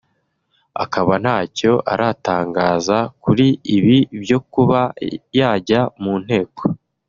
akaba ntacyo aratangaza kuri ibi byo kuba yajya mu Nteko